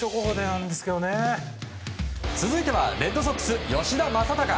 続いてはレッドソックス吉田正尚。